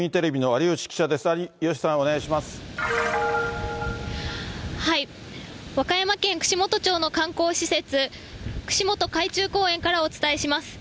有吉さん、和歌山県串本町の観光施設、串本海中公園からお伝えします。